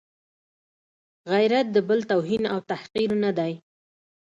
غیرت د بل توهین او تحقیر نه دی.